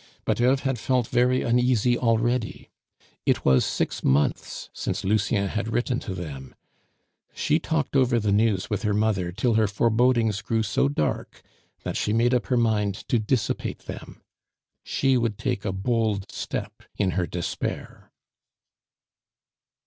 But Eve had felt very uneasy already. It was six months since Lucien had written to them. She talked over the news with her mother till her forebodings grew so dark that she made up her mind to dissipate them. She would take a bold step in her despair.